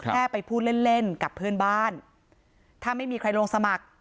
แค่ไปพูดเล่นเล่นกับเพื่อนบ้านถ้าไม่มีใครลงสมัคร